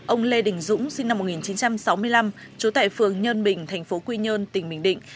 ông lê đình dũng sinh năm một nghìn chín trăm sáu mươi năm trú tại phường nhân bình thành phố quy nhơn tỉnh bình định